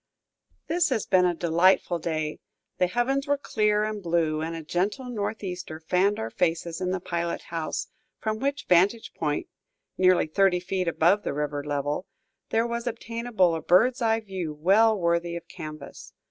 This has been a delightful day; the heavens were clear and blue, and a gentle northeaster fanned our faces in the pilot house, from which vantage point, nearly thirty feet above the river level, there was obtainable a bird's eye view well worthy of canvas.